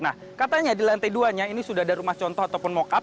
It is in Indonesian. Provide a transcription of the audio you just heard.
nah katanya di lantai duanya ini sudah ada rumah contoh ataupun mock up